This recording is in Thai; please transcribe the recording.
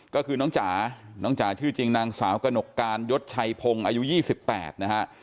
ก็คือน้องจ๋าน้องจ๋าชื่อจริงนางสาวกระหนกการยศชัยพงศ์อายุ๒๘นะฮะ